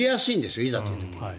いざという時に。